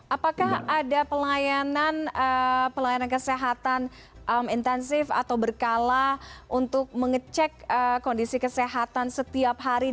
apakah ada pelayanan kesehatan intensif atau berkala untuk mengecek kondisi kesehatan setiap hari